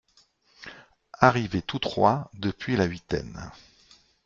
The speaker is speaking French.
Arrivés tous trois depuis la huitaine.